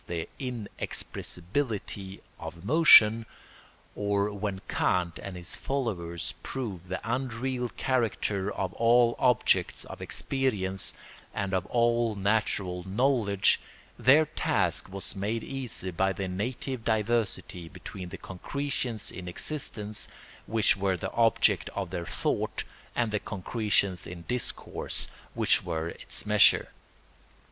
_, the inexpressibility—of motion, or when Kant and his followers proved the unreal character of all objects of experience and of all natural knowledge, their task was made easy by the native diversity between the concretions in existence which were the object of their thought and the concretions in discourse which were its measure.